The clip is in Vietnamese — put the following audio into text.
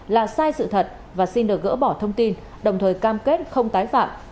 là sai sự thật và xin được gỡ bỏ thông tin đồng thời cam kết không tái phạm